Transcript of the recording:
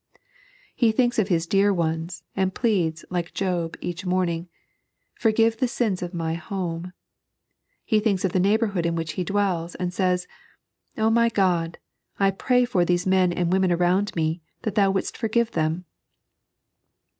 He thinks of his dear ones, and pleads, like Job, each morning, " Forgive the sins of my home." He thinks of the neigh bourhood in which he dwells, and says :" my God, I pray for these men and women around me, that Thou wDuldst forgive them."